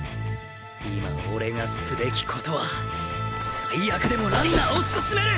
今俺がすべきことは最悪でもランナーを進める！